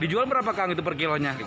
dijual berapa kang itu per kilonya gitu